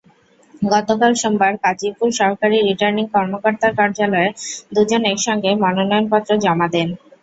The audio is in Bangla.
গতকাল সোমবার কাজীপুর সহকারী রিটার্নিং কর্মকর্তার কার্যালয়ে দুজন একসঙ্গে মনোনয়নপত্র জমা দেন।